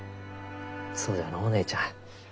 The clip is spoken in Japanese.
そうじゃのう姉ちゃん。